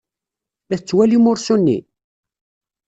La tettwalim ursu-nni?